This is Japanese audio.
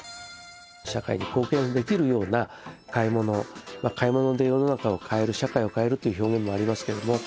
社会に貢献できるような買い物買い物で世の中を変える社会を変えるという表現もありますけれども。